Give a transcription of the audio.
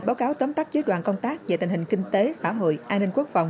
báo cáo tóm tắt với đoàn công tác về tình hình kinh tế xã hội an ninh quốc phòng